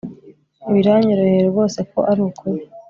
biranyoroheye rwose ko arukuri